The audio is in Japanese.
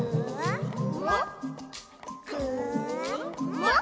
「もっ？